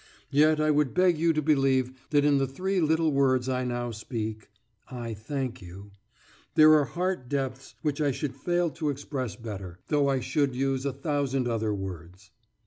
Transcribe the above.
Yet I would beg you to believe that in the three little words I now speak, 'I thank you,' there are heart depths which I should fail to express better, though I should use a thousand other words.